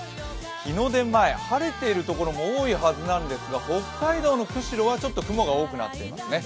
日の出前、晴れている所も多いはずなんですが北海道の釧路はちょっと雲が多くなっていますね。